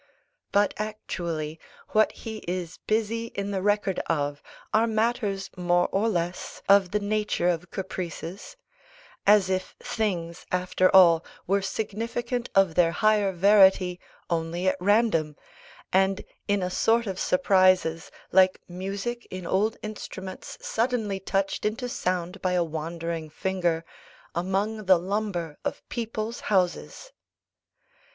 But, actually, what he is busy in the record of, are matters more or less of the nature of caprices; as if things, after all, were significant of their higher verity only at random, and in a sort of surprises, like music in old instruments suddenly touched into sound by a wandering finger, among the lumber of people's houses.